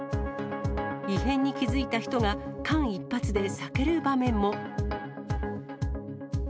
異変に気付いた人が間一髪で避ける場面も。